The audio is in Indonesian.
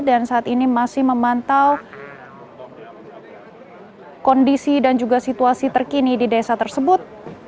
dan saat ini masih memantau kondisi dan juga situasi terkini di desa tersebut